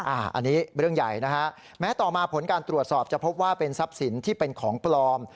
อันนี้เรื่องใหญ่นะฮะแม้ต่อมาผลการตรวจสอบจะพบว่าเป็นทรัพย์สินที่เป็นของปลอม